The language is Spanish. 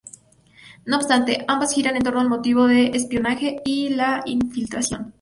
No obstante, ambas giran en torno al motivo del espionaje y la infiltración.